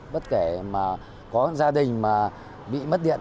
bất kể có gia đình bị mất điện